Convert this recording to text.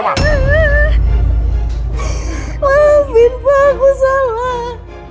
maafin pak aku salah